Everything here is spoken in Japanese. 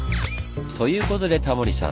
ということでタモリさん